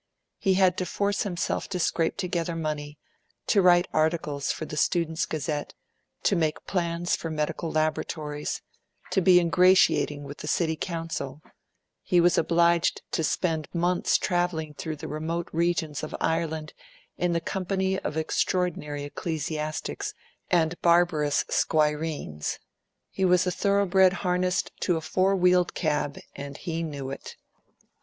He had to force himself to scrape together money, to write articles for the students' Gazette, to make plans for medical laboratories, to be ingratiating with the City Council; he was obliged to spend months travelling through the remote regions of Ireland in the company of extraordinary ecclesiastics and barbarous squireens. He was a thoroughbred harnessed to a four wheeled cab and he knew it.